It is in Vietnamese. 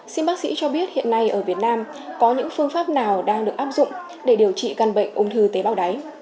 xin bác sĩ cho biết hiện nay ở việt nam có những phương pháp nào đang được áp dụng để điều trị căn bệnh ung thư tế bào đáy